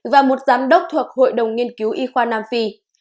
và một giám đốc thuộc hội đồng nghiên cứu y khoa nam phi